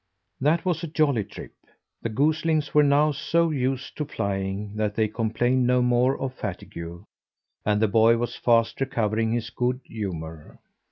That was a jolly trip! The goslings were now so used to flying that they complained no more of fatigue, and the boy was fast recovering his good humour.